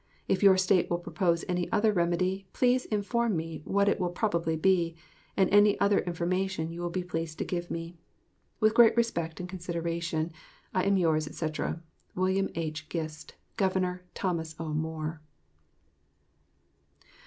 If your State will propose any other remedy, please inform me what it will probably be, and any other information you will be pleased to give me. With great respect and consideration, I am yours, etc., Wm. H. Gist. Governor Thos. O. Moore.